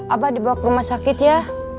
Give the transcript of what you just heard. abah dibawa ke rumah sakit ya